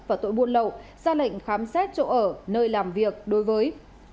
và tội buôn lậu ra lệnh khám xét chỗ ở nơi làm việc đối với